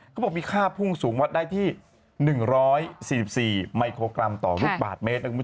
เขาบอกมีค่าพุ่งสูงวัดได้ที่๑๔๔มิโครกรัมต่อลูกบาทเมตร